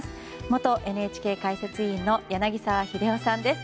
元ＮＨＫ解説委員の柳澤秀夫さんです。